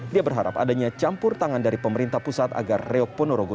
dia berharap adanya campur tangan dari pemerintah pusat agar reok ponorogo